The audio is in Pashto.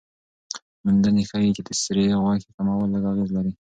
موندنې ښيي چې د سرې غوښې کمول لږ اغېز لري.